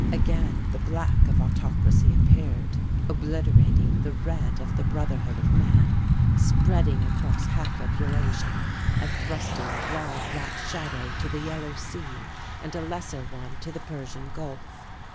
Again the black of autocracy appeared, obliterating the red of the Brotherhood of Man, spreading across half of Eurasia and thrusting a broad black shadow to the Yellow Sea and a lesser one to the Persian Gulf.